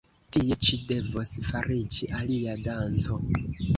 Tie ĉi devos fariĝi alia danco!